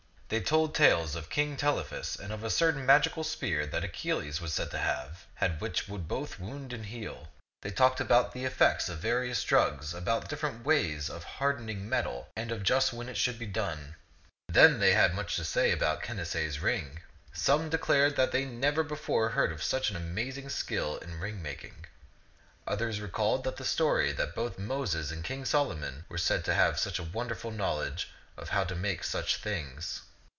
They told tales of King Telephus and of a certain magical spear that Achilles was said to have had which would both wound and heal. They talked about the €^^ ^c\xim'B tatt 171 effects of various drugs, about different ways of hard ening metal, and of just when it should be done. Then they had much to say about Canacee's ring. Some declared that they never before heard of such amazing skill in ring making. Others recalled the story that both Moses and King Solomon were said to have had wonderful knowledge of how to make such things.